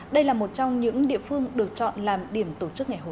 đây là một trong những địa phương được chọn làm điểm tổ chức ngày hội